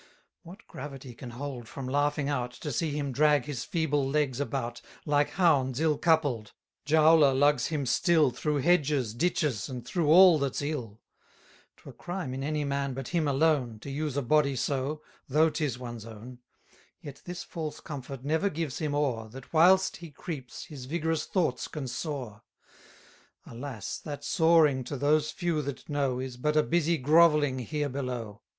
What gravity can hold from laughing out, To see him drag his feeble legs about, Like hounds ill coupled? Jowler lugs him still Through hedges, ditches, and through all that's ill. 110 'Twere crime in any man but him alone, To use a body so, though 'tis one's own: Yet this false comfort never gives him o'er, That whilst he creeps his vigorous thoughts can soar; Alas! that soaring to those few that know, Is but a busy grovelling here below.